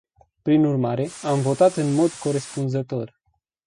Prin urmare, am votat în mod corespunzător.